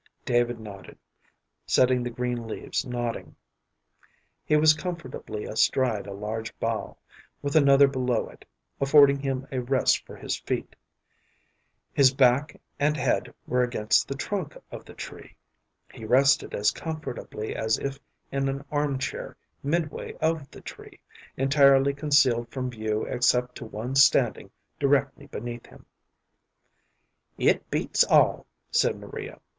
David nodded, setting the green leaves nodding. He was comfortably astride a large bough, with another below it, affording him a rest for his feet. His back and head were against the trunk of the tree. He rested as comfortably as if in an arm chair midway of the tree, entirely concealed from view except to one standing directly beneath him. "It beats all," said Maria.